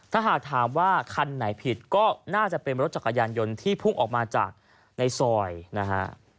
ถ้าหากถามว่าคันไหนผิดก็น่าจะเป็นรถจักรยานยนต์ที่พุ่งออกมาจากในซอยนะฮะ